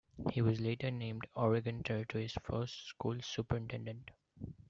He was later named Oregon Territory's first school superintendent.